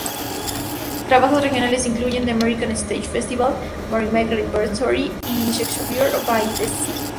Trabajos regionales incluyen "The American Stage Festival, Merrimack Repertory, y "Shakespeare by the Sea.